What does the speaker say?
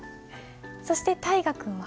そして大河君は？